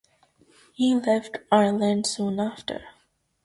He left Ireland soon after.